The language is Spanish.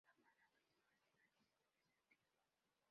La palabra "hispanidad" existe desde antiguo.